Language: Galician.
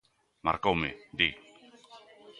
"Marcoume", di.